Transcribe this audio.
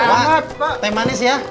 wah teh manis ya